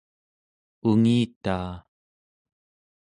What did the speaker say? ungitaa